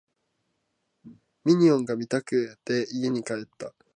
ミニオンが見たくて家に帰った